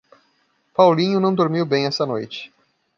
Paulinho não dormiu bem essa noite